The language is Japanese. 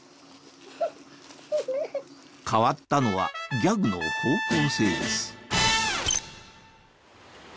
変わったのはギャグの方向性です